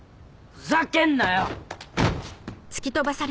ふざけんなよ！